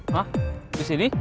hah di sini